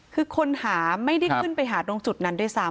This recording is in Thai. คือคนหาไม่ได้ขึ้นไปหาตรงจุดนั้นด้วยซ้ำ